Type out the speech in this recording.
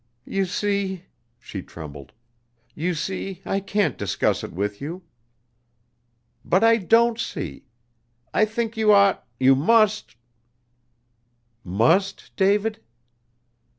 "You see," she trembled, "you see, I can't discuss it with you." "But I don't see. I think you ought you must " "Must, David?"